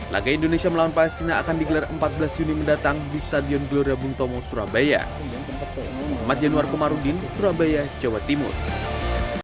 laga indonesia melawan palestina akan digelar antara dua negara bersaudara yang saling mendukung ke liga indonesia bersaudara